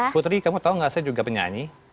putri kamu tahu nggak saya juga penyanyi